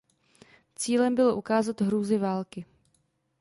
Cílem bylo ukázat hrůzy války.